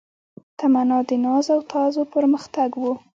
تمنا د ناز او تاز و پرمختګ و